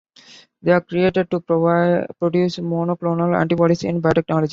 They are created to produce monoclonal antibodies in biotechnology.